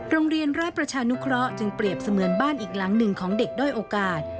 โรงเรียนราชประชานุเคราะห์จึงเปรียบเสมือนบ้านอีกหลังหนึ่งของเด็กด้อยโอกาส